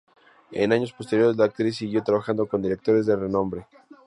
En años posteriores, la actriz siguió trabajando con directores de renombre.